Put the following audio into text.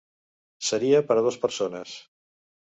Seria per a dos persones.